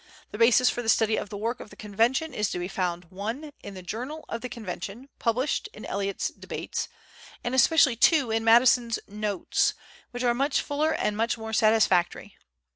The basis for the study of the work of the Convention is to be found (1) in the "Journal of the Convention," published in Elliot's "Debates," and, especially, (2) in Madison's "Notes," which are much fuller and much more satisfactory.